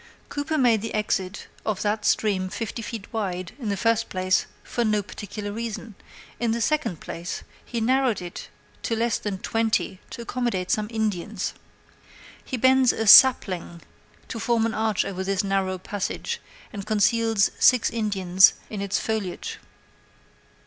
Cooper made the exit of that stream fifty feet wide, in the first place, for no particular reason; in the second place, he narrowed it to less than twenty to accommodate some Indians. He bends a "sapling" to the form of an arch over this narrow passage, and conceals six Indians in its foliage.